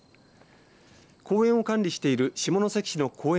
公園を管理している下関市の公園